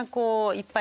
いっぱい